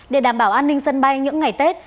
để đảm bảo an ninh sân bay những ngày tết